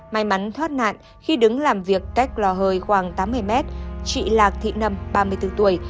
may mắn thoát nạn khi đứng làm việc cách lò hời khoảng tám mươi mét chị lạc thị nâm ba mươi bốn tuổi